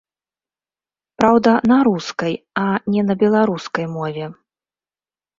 Праўда, на рускай, а не беларускай мове.